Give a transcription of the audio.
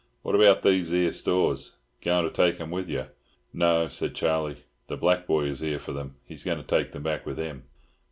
What about these 'ere stores? Goin' to take 'em with yer?" "No," said Charlie. "The black boy is here for them. He's going to take them back with him."